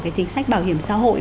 cái chính sách bảo hiểm xã hội